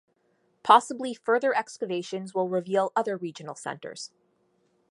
Possibly further excavations will reveal other regional centres.